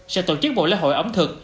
sẽ tổ chức bộ lễ hội ẩm thực